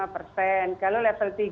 tujuh puluh lima persen kalau level tiga